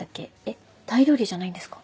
タイ料理じゃないんですか？